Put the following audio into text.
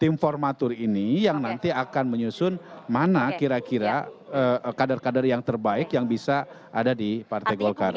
tim formatur ini yang nanti akan menyusun mana kira kira kader kader yang terbaik yang bisa ada di partai golkar